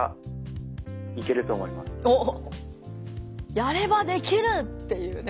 「やればできる！」っていうね。